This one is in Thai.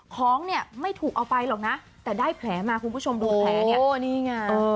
ของเนี่ยไม่ถูกเอาไปหรอกนะแต่ได้แผลมาคุณผู้ชมดูแผลเนี่ยโอ้นี่ไง